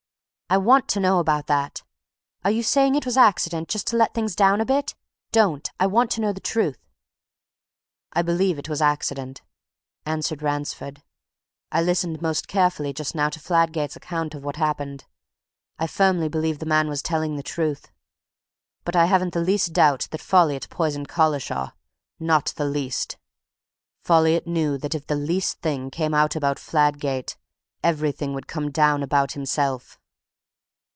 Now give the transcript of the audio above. I want to know about that! Are you saying it was accident just to let things down a bit? Don't! I want to know the truth." "I believe it was accident," answered Ransford. "I listened most carefully just now to Fladgate's account of what happened. I firmly believe the man was telling the truth. But I haven't the least doubt that Folliot poisoned Collishaw not the least. Folliot knew that if the least thing came out about Fladgate, everything would come out about himself."